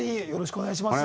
お願いします